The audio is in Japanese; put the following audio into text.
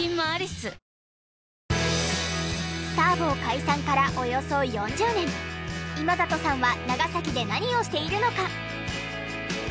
スターボー解散からおよそ４０年今里さんは長崎で何をしているのか？